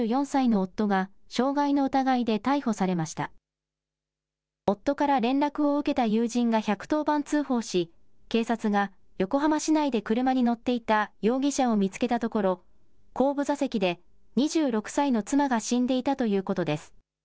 夫から連絡を受けた友人が１１０番通報し、警察が横浜市内で車に乗っていた容疑者を見つけたところ、後部座席で２６歳の妻が死んでいたということです。